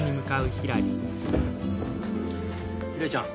ひらりちゃん